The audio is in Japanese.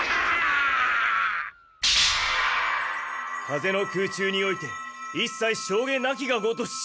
風の空中において一切障碍なきがごとし！